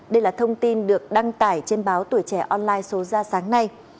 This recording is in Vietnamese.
đây là thông tin được đăng tải trên báo tuổi trẻ online số ra sáng nay